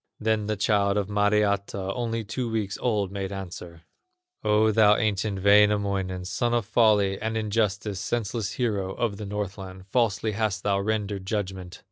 Then the child of Mariatta, Only two weeks old, made answer: "O, thou ancient Wainamoinen, Son of Folly and Injustice, Senseless hero of the Northland, Falsely hast thou rendered judgment.